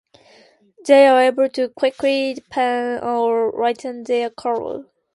They are able to quickly deepen or lighten their colour.